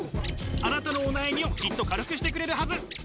あなたのお悩みをきっと軽くしてくれるはず。